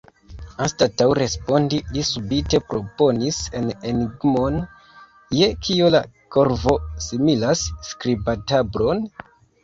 Anstataŭ respondi, li subite proponis la enigmon: "Je kio la korvo similas skribotablon?"